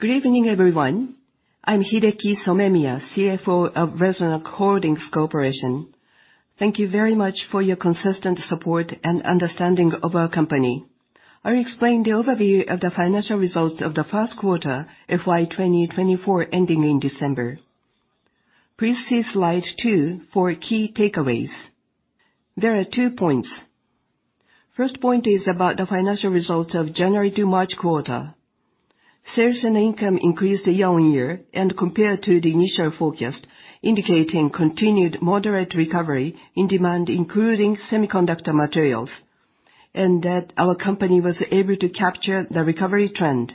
Good evening, everyone. I'm Hideki Somemiya, CFO of Resonac Holdings Corporation. Thank you very much for your consistent support and understanding of our company. I will explain the overview of the Financial Results of the First Quarter of FY 2024 ending in December. Please see slide two for key takeaways. There are two points. First point is about the financial results of January to March quarter. Sales and income increased year-on-year and compared to the initial forecast, indicating continued moderate recovery in demand, including semiconductor materials, and that our company was able to capture the recovery trend.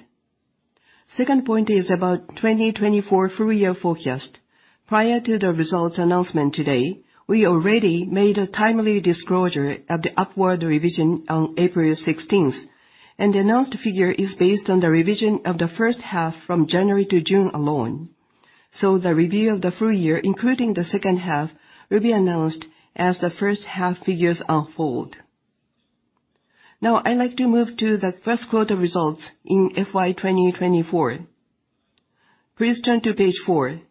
Second point is about 2024 full-year forecast. Prior to the results announcement today, we already made a timely disclosure of the upward revision on April 16th, and announced figure is based on the revision of the first half from January to June alone. The review of the full year, including the second half, will be announced as the first half figures unfold. Now I would like to move to the first quarter results in FY 2024. Please turn to page four.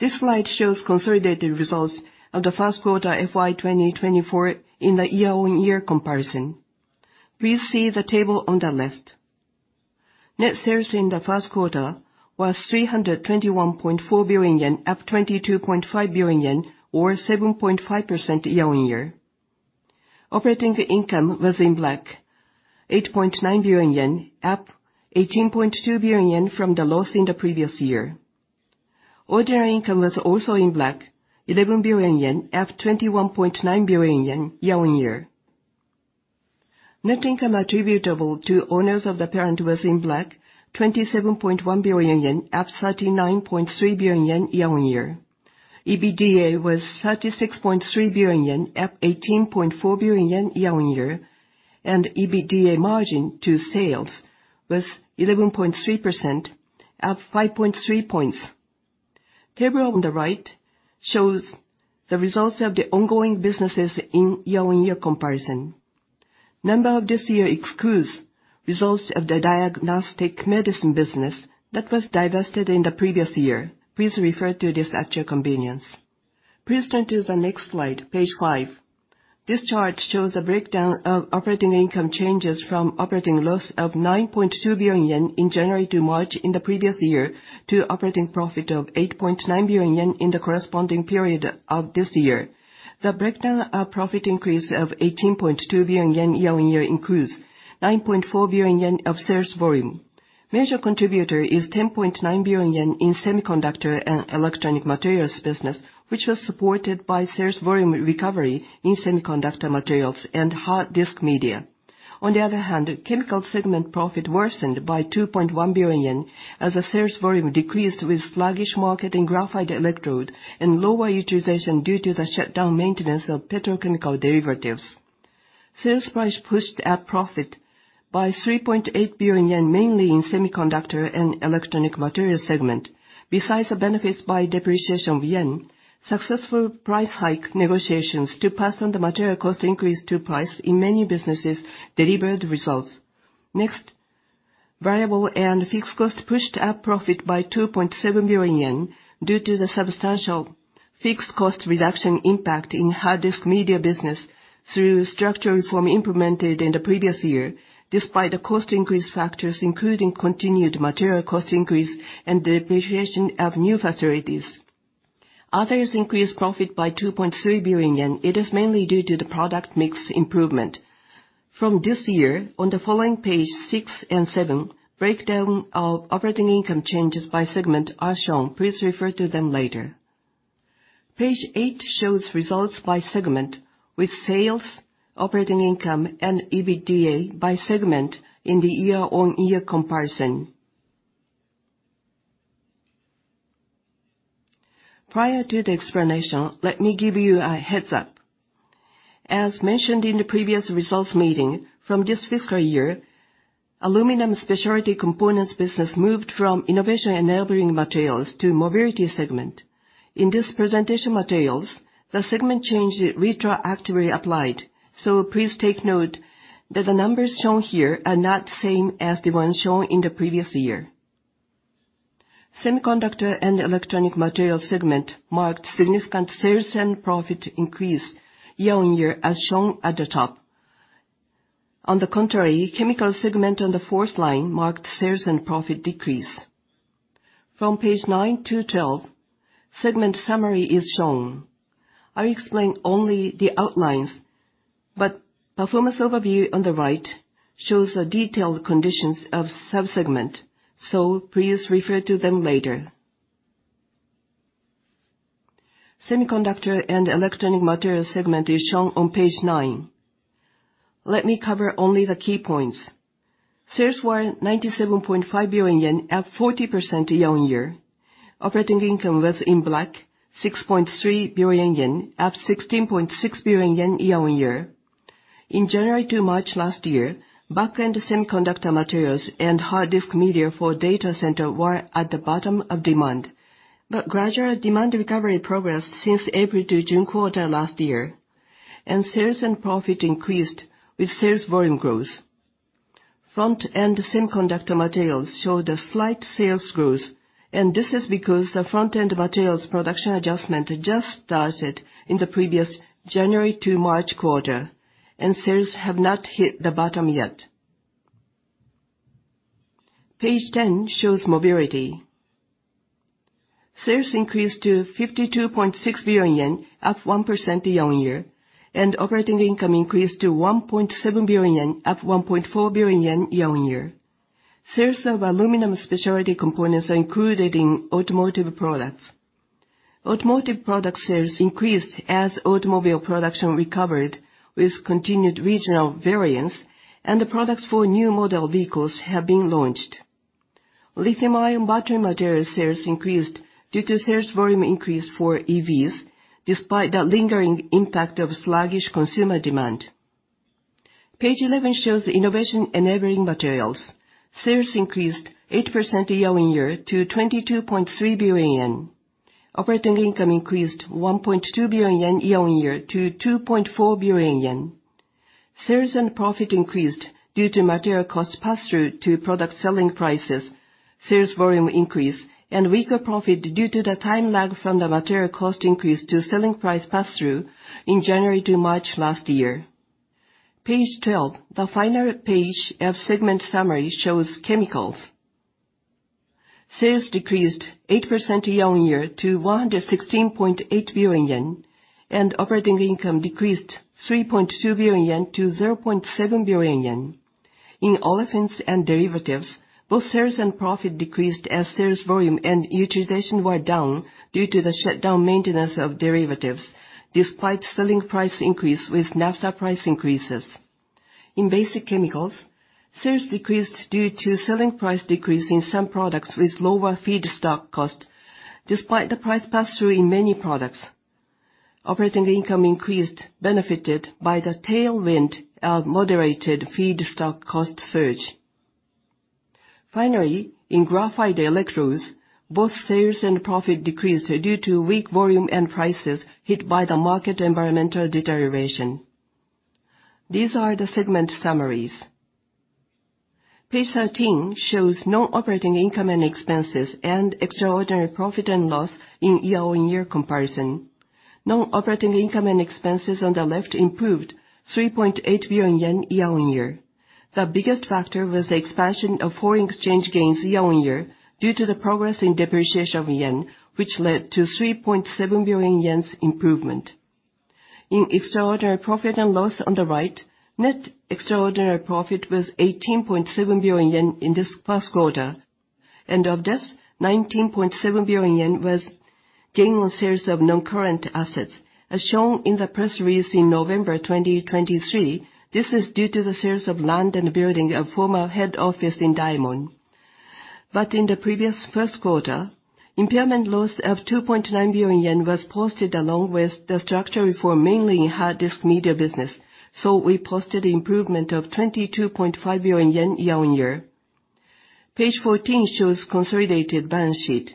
This slide shows consolidated results of the first quarter FY 2024 in the year-on-year comparison. Please see the table on the left. Net sales in the first quarter was 321.4 billion yen, up 22.5 billion yen, or 7.5% year-on-year. Operating income was, in black, 8.9 billion yen, up 18.2 billion yen from the loss in the previous year. Ordinary income was also in black, 11 billion yen, up 21.9 billion yen year-on-year. Net income attributable to owners of the parent was in black, 27.1 billion yen, up 39.3 billion yen year-on-year. EBITDA was 36.3 billion yen, up 18.4 billion yen year-on-year, and EBITDA margin to sales was 11.3%, up 5.3 points. Table on the right shows the results of the ongoing businesses in year-on-year comparison. Number of this year excludes results of the diagnostic medicine business that was divested in the previous year. Please refer to this at your convenience. Please turn to the next slide, page five. This chart shows a breakdown of operating income changes from operating loss of 9.2 billion yen in January to March in the previous year, to operating profit of 8.9 billion yen in the corresponding period of this year. The breakdown of profit increase of 18.2 billion yen year-on-year includes 9.4 billion yen of sales volume. Major contributor is 10.9 billion yen in Semiconductor and Electronic Materials business, which was supported by sales volume recovery in semiconductor materials and hard disk media. On the other hand, Chemicals segment profit worsened by 2.1 billion as the sales volume decreased with sluggish market in graphite electrode and lower utilization due to the shutdown maintenance of petrochemical derivatives. Sales price pushed up profit by 3.8 billion yen, mainly in Semiconductor and Electronic Materials segment. Besides the benefits by depreciation of yen, successful price hike negotiations to pass on the material cost increase to price in many businesses delivered results. Variable and fixed cost pushed up profit by 2.7 billion yen due to the substantial fixed cost reduction impact in hard disk media business through structural reform implemented in the previous year, despite the cost increase factors including continued material cost increase and depreciation of new facilities. Others increased profit by 2.3 billion yen. It is mainly due to the product mix improvement. From this year, on the following page six and seven, breakdown of operating income changes by segment are shown. Please refer to them later. Page eight shows results by segment with sales, operating income, and EBITDA by segment in the year-on-year comparison. Prior to the explanation, let me give you a heads up. As mentioned in the previous results meeting, from this fiscal year, aluminum specialty components business moved from Innovation Enabling Materials to Mobility segment. In this presentation materials, the segment change is retroactively applied, so please take note that the numbers shown here are not the same as the ones shown in the previous year. Semiconductor and Electronic Materials segment marked significant sales and profit increase year-on-year, as shown at the top. On the contrary, Chemicals segment on the fourth line marked sales and profit decrease. From page nine to 12, segment summary is shown. I explain only the outlines, but performance overview on the right shows the detailed conditions of sub-segment, so please refer to them later. Semiconductor and Electronic Materials segment is shown on page nine. Let me cover only the key points. Sales were 97.5 billion yen, up 40% year-on-year. Operating income was, in black, 6.3 billion yen, up 16.6 billion yen year-on-year. In January to March last year, back-end semiconductor materials and hard disk media for data center were at the bottom of demand. Gradual demand recovery progressed since April to June quarter last year. Sales and profit increased with sales volume growth. Front-end semiconductor materials showed a slight sales growth, and this is because the front-end materials production adjustment just started in the previous January to March quarter, and sales have not hit the bottom yet. Page 10 shows Mobility. Sales increased to 52.6 billion yen, up 1% year-on-year, and operating income increased to 1.7 billion yen, up 1.4 billion yen year-on-year. Sales of aluminum specialty components are included in automotive products. Automotive product sales increased as automobile production recovered with continued regional variance, and the products for new model vehicles have been launched. Lithium-ion battery material sales increased due to sales volume increase for EVs, despite the lingering impact of sluggish consumer demand. Page 11 shows Innovation Enabling Materials. Sales increased 8% year-on-year to 22.3 billion yen. Operating income increased 1.2 billion yen year-on-year to 2.4 billion yen. Sales and profit increased due to material cost pass-through to product selling prices, sales volume increase, and weaker profit due to the time lag from the material cost increase to selling price pass-through in January to March last year. Page 12, the final page of segment summary, shows Chemicals. Sales decreased 8% year-on-year to 116.8 billion yen, and operating income decreased 3.2 billion yen to 0.7 billion yen. In Olefins & Derivatives, both sales and profit decreased as sales volume and utilization were down due to the shutdown maintenance of derivatives, despite selling price increase with naphtha price increases. In basic chemicals, sales decreased due to selling price decrease in some products with lower feedstock cost, despite the price pass-through in many products. Operating income increased, benefited by the tailwind of moderated feedstock cost surge. Finally, in graphite electrodes, both sales and profit decreased due to weak volume and prices hit by the market environmental deterioration. These are the segment summaries. Page 13 shows non-operating income and expenses and extraordinary profit and loss in year-on-year comparison. Non-operating income and expenses on the left improved 3.8 billion yen year-on-year. The biggest factor was the expansion of foreign exchange gains year-on-year, due to the progress in depreciation of yen, which led to 3.7 billion improvement. In extraordinary profit and loss on the right, net extraordinary profit was 18.7 billion yen in this past quarter. Of this, 19.7 billion yen was gain on sales of non-current assets. As shown in the press release in November 2023, this is due to the sale of land and building of former head office in Daimon. In the previous first quarter, impairment loss of 2.9 billion yen was posted along with the structure reform, mainly in hard disk media business. We posted improvement of 22.5 billion yen year-on-year. Page 14 shows consolidated balance sheet.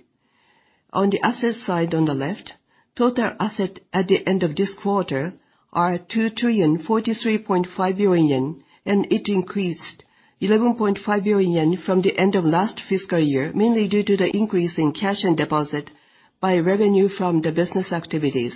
On the assets side on the left, total asset at the end of this quarter are 2,043.5 billion yen, it increased 11.5 billion yen from the end of last fiscal year, mainly due to the increase in cash and deposit by revenue from the business activities.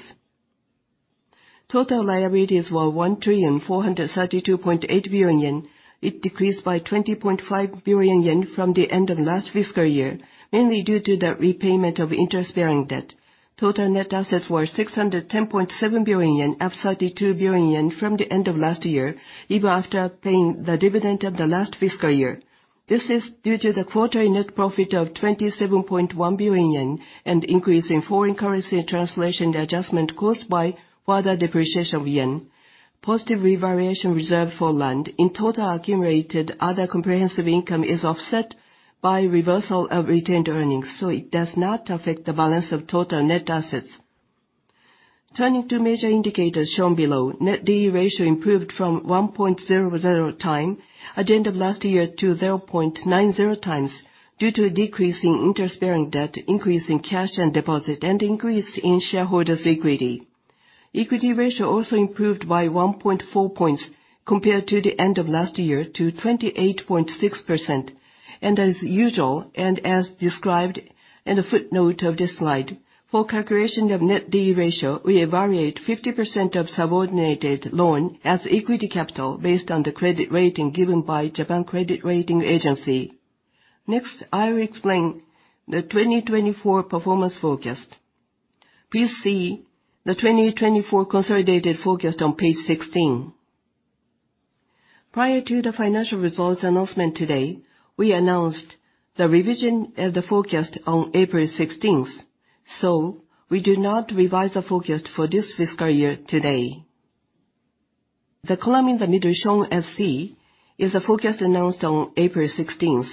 Total liabilities were 1,432.8 billion yen. It decreased by 20.5 billion yen from the end of last fiscal year, mainly due to the repayment of interest-bearing debt. Total net assets were 610.7 billion yen, up 32 billion yen from the end of last year, even after paying the dividend of the last fiscal year. This is due to the quarterly net profit of 27.1 billion yen and increase in foreign currency translation adjustment caused by further depreciation of yen. Positive revaluation reserve for land in total accumulated, other comprehensive income is offset by reversal of retained earnings, it does not affect the balance of total net assets. Turning to major indicators shown below, net debt ratio improved from 1.00x at the end of last year to 0.90x due to a decrease in interest-bearing debt, increase in cash and deposit, and increase in shareholders' equity. Equity ratio also improved by 1.4 points compared to the end of last year to 28.6%. As usual, as described in the footnote of this slide, for calculation of net debt ratio, we evaluate 50% of subordinated loan as equity capital based on the credit rating given by Japan Credit Rating Agency. Next, I will explain the 2024 performance forecast. Please see the 2024 consolidated forecast on page 16. Prior to the financial results announcement today, we announced the revision of the forecast on April 16th, we do not revise the forecast for this fiscal year today. The column in the middle shown as C is the forecast announced on April 16th.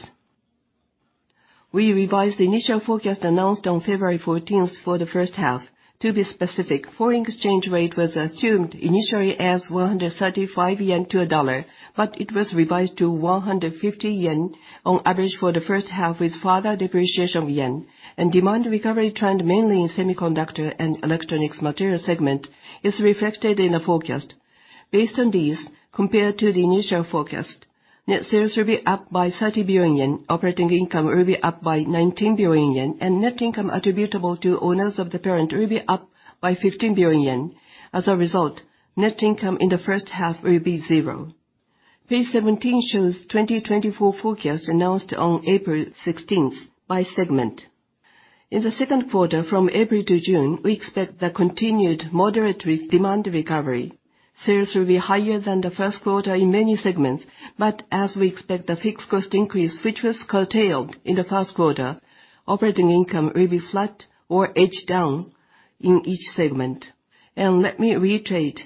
We revised the initial forecast announced on February 14th for the first half. To be specific, foreign exchange rate was assumed initially as 135 yen to $1, but it was revised to 150 yen on average for the first half, with further depreciation of yen. Demand recovery trend, mainly in Semiconductor and Electronic Materials segment, is reflected in the forecast. Based on these, compared to the initial forecast, net sales will be up by 30 billion yen, operating income will be up by 19 billion yen, and net income attributable to owners of the parent will be up by 15 billion yen. As a result, net income in the first half will be zero. Page 17 shows 2024 forecast announced on April 16th by segment. In the second quarter, from April to June, we expect the continued moderate demand recovery. Sales will be higher than the first quarter in many segments, but as we expect the fixed cost increase, which was curtailed in the first quarter, operating income will be flat or edge down in each segment. Let me reiterate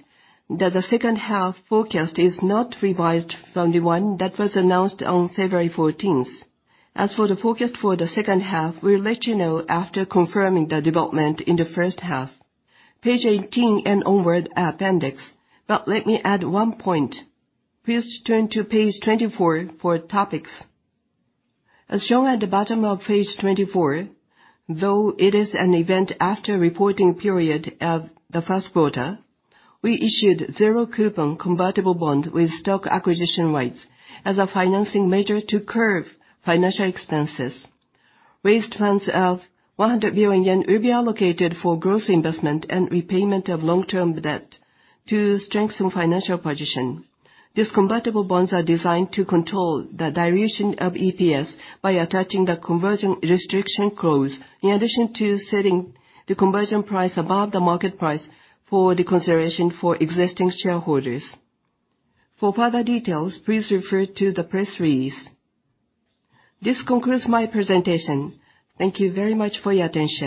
that the second-half forecast is not revised from the one that was announced on February 14th. As for the forecast for the second half, we'll let you know after confirming the development in the first half. Page 18 and onward are appendix. Let me add one point. Please turn to page 24 for topics. As shown at the bottom of page 24, though it is an event after reporting period of the first quarter, we issued zero coupon convertible bond with stock acquisition rights as a financing measure to curb financial expenses. Raised funds of 100 billion yen will be allocated for growth investment and repayment of long-term debt to strengthen financial position. These convertible bonds are designed to control the dilution of EPS by attaching the conversion restriction clause, in addition to setting the conversion price above the market price for the consideration for existing shareholders. For further details, please refer to the press release. This concludes my presentation. Thank you very much for your attention.